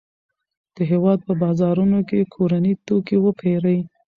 د هېواد په بازارونو کې کورني توکي وپیرئ.